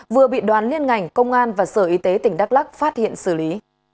vừa bị đoàn liên ngành công an và sở y tế tỉnh đắk lắc phát hiện xử lý